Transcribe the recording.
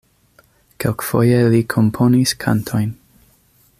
Kelkfoje li komponis kantojn.